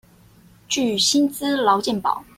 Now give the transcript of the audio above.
具薪資勞健保